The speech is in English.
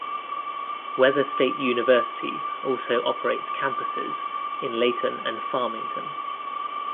Weber State University also operates campuses in Layton and Farmington.